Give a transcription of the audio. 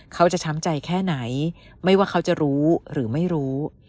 ช้ำใจแค่ไหนไม่ว่าเขาจะรู้หรือไม่รู้